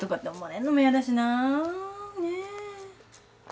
ねえ？